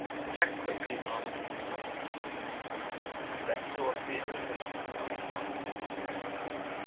Jack quickly answered the question. Then two or three other questions were asked by other cadets.